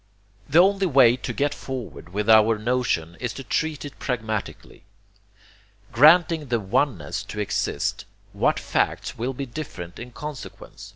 The only way to get forward with our notion is to treat it pragmatically. Granting the oneness to exist, what facts will be different in consequence?